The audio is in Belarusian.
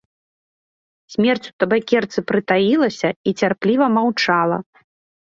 Смерць у табакерцы прытаілася і цярпліва маўчала.